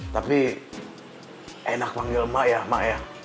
tapi enak manggil emak ya mak ya